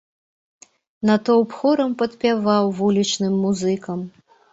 Натоўп хорам падпяваў вулічным музыкам.